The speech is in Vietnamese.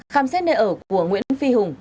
khám xét nơi ở của nguyễn phi hùng